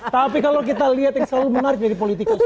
tapi kalau kita lihat yang selalu menarik dari politikus